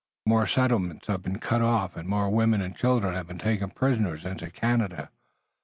More settlements had been cut off, and more women and children had been taken prisoners into Canada.